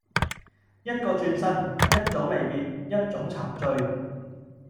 一個轉身，一種別離，一種沉醉